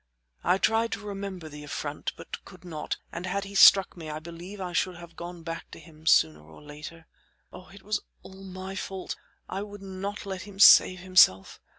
I tried to remember the affront, but could not, and had he struck me I believe I should have gone back to him sooner or later. Oh! it was all my fault; I would not let him save himself.